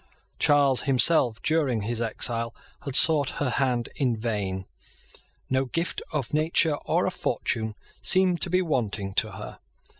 Charles himself, during his exile, had sought her hand in vain. No gift of nature or of fortune seemed to be wanting to her.